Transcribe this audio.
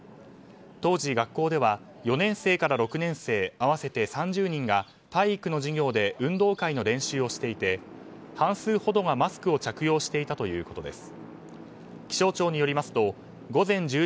当時、学校では４年生から６年生合わせて３０人が体育の授業で運動会の練習をしていて半数ほどがマスクを着用していたということです。